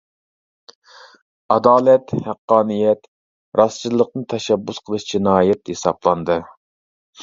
ئادالەت، ھەققانىيەت، راستچىللىقنى تەشەببۇس قىلىش جىنايەت ھېسابلاندى.